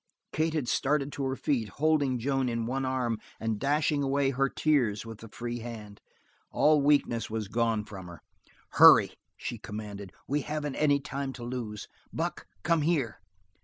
Kate had started to her feet, holding Joan in one arm and dashing away her tears with the free hand. All weakness was gone from her. "Hurry!" she commanded. "We haven't any time to lose. Buck, come here!